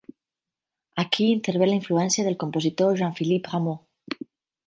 Aquí intervé la influència del compositor Jean-Philippe Rameau.